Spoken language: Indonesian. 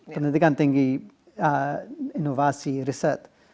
pendidikan tinggi inovasi riset